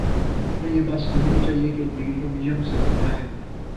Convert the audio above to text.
انہیں یہ بات سمجھنی چاہیے کہ لیڈر وژن سے بنتا ہے۔